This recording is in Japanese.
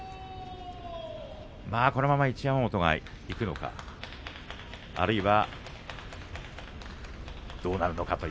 このまま一山本がいくのかあるいはどうなるのか。